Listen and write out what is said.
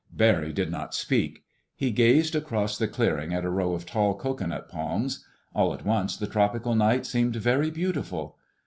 Barry did not speak. He gazed across the clearing at a row of tall cocoanut palms. All at once the tropical night seemed very beautiful.